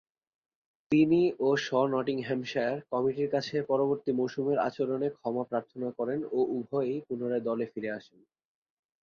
তিনি ও শ নটিংহ্যামশায়ার কমিটির কাছে পূর্ববর্তী মৌসুমের আচরণে ক্ষমা প্রার্থনা করেন ও উভয়েই পুনরায় দলে ফিরে আসেন।